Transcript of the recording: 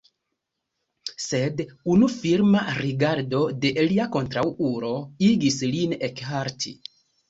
Sed unu firma rigardo de lia kontraŭulo igis lin ekhalti.